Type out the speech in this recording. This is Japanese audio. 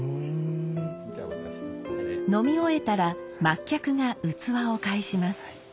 飲み終えたら末客が器を返します。